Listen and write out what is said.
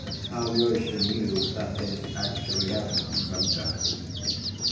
Alyosha knew that this actually happened sometimes.